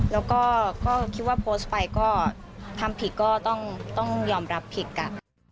แล้วก็คิดว่าโพสต์ไปก็ทำผิดก็ต้องยอมรับผิดอ่ะ